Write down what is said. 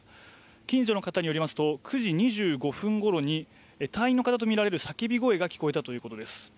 近所の方によりますと９時２５分頃隊員の方とみられる叫び声が聞こえたということです。